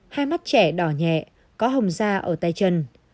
hai mắt trẻ đỏ nhẹ có hồng da ở tay chân